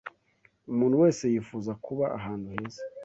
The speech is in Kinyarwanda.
Umuntu wese yifuza kuba ahantu heza